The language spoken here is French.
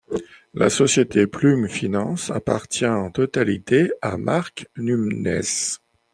La société Plume Finance appartient en totalité à Marc Nunès.